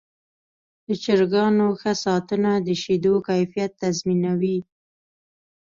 د چرګانو ښه ساتنه د شیدو کیفیت تضمینوي.